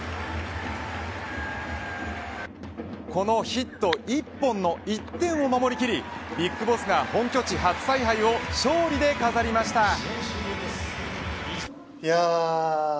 このヒット１本の１点を守り切りＢＩＧＢＯＳＳが本拠地初采配を勝利で飾りました。